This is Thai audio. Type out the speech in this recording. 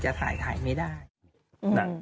จะถ่ายไม่ได้นะ